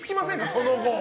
その後。